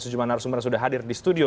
sujuman arsumar yang sudah hadir di studio